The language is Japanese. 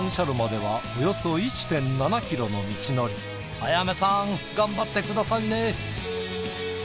彩芽さん頑張ってくださいね。